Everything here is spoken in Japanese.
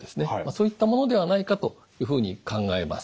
そういったものではないかというふうに考えます。